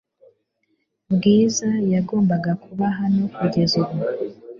Bwiza yagombaga kuba hano kugeza ubu .